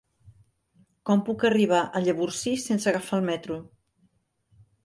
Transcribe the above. Com puc arribar a Llavorsí sense agafar el metro?